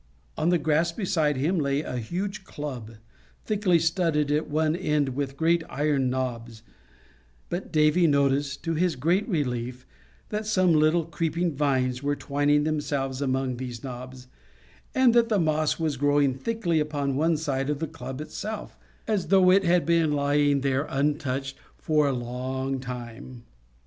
On the grass beside him lay a huge club, thickly studded at one end with great iron knobs; but Davy noticed, to his great relief, that some little creeping vines were twining themselves among these knobs, and that moss was growing thickly upon one side of the club itself, as though it had been lying there untouched for a long time.